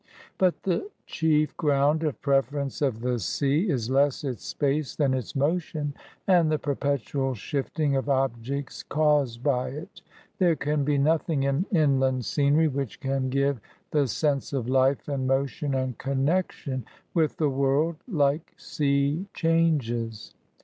But the chief ground of preference of the sea is less its space than its motion, and the perpetual shifting of objects caused by it. There can be nothing in inland scenery which can give the sense of life and motion and connexion with the world like sea changes.